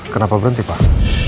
kenapa berhenti pak